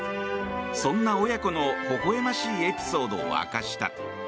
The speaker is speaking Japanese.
そんな、親子の微笑ましいエピソードを明かした。